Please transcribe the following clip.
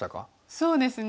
そうですね